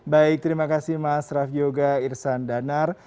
baik terima kasih mas raffiuga irsan danar